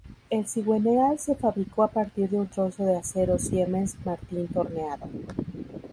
El cigüeñal se fabricó a partir de un trozo de acero Siemens Martin torneado.